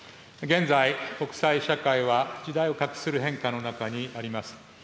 現在、国際社会は時代を画する変化の中にあります。